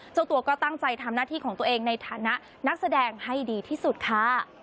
เจ้าตัวก็ตั้งใจทำหน้าที่ของตัวเองในฐานะนักแสดงให้ดีที่สุดค่ะ